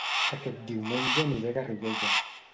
Aquest diumenge aniré a Garriguella